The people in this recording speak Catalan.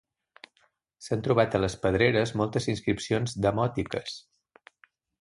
S'han trobat a les pedreres moltes inscripcions demòtiques.